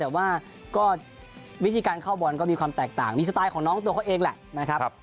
แต่ว่าก็วิธีการเข้าบอลก็มีความแตกต่างมีสไตล์ของน้องตัวเขาเองแหละนะครับ